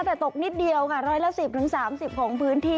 แต่ตกนิดเดียวค่ะร้อยละ๑๐๓๐ของพื้นที่